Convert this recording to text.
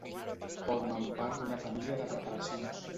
Formen part d'una família de preparacions